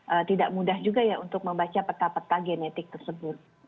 ee tidak mudah juga ya untuk membaca peta peta genetik tersebut